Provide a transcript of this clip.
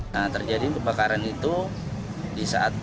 nah terjadi pembakaran itu di saat di